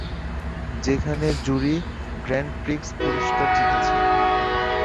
যেখানে এটি jury grand prix পুরস্কার জিতেছে।